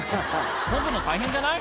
こぐの大変じゃない？